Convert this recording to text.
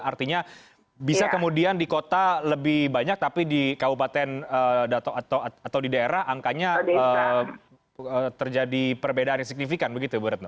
artinya bisa kemudian di kota lebih banyak tapi di kabupaten atau di daerah angkanya terjadi perbedaan yang signifikan begitu ibu retno